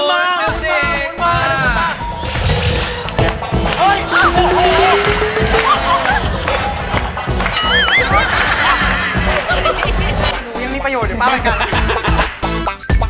ลองประเภทนะ